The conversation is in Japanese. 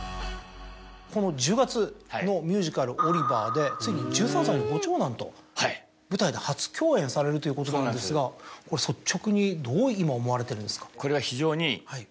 この１０月のミュージカル『オリバー！』でついに１３歳のご長男と舞台で初共演されるということなんですがこれ率直にどう今思われてるんですか？